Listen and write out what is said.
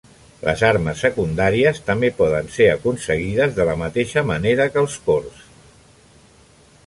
Les armes secundàries també poden ser aconseguides de la mateixa manera que els cors.